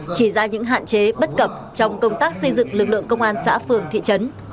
chỉ ra những hạn chế bất cập trong công tác xây dựng lực lượng công an xã phường thị trấn